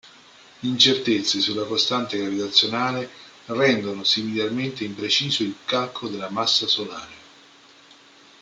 Incertezze sulla costante gravitazionale rendono similarmente impreciso il calcolo della massa solare.